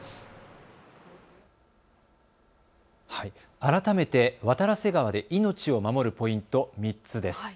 改めて渡良瀬川で命を守るポイント、３つです。